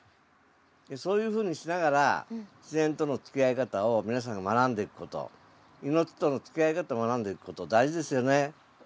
そういうふうにしながら自然とのつきあい方を皆さんが学んでいくこと命とのつきあい方を学んでいくこと大事ですよね。